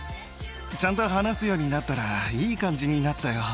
ちゃんと話すようになったら、いい感じになったよ。